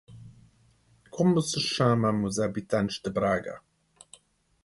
Como se chamam os habitantes de Braga?